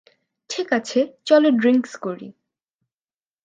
ঠিক আছে, চলো ড্রিংকস করি।